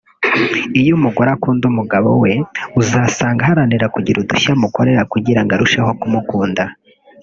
iyo umugore akunda umugabo we uzasanga aharanira kugira udushya amukorera kugira ngo arusheho kumukunda